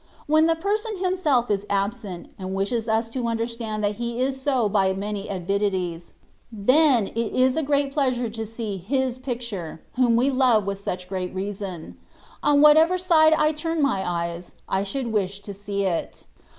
When the person himself is absent, and wishes us to understand that he is so by many avidities, then it is a great pleasure to see his picture, whom we love with such great reason : on whatever side I turn my eyes, I should wish to see it.